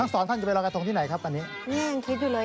สองท่านจะไปรอยกระทงที่ไหนครับอันนี้นี่ยังคิดอยู่เลย